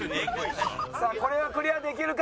さあこれはクリアできるか？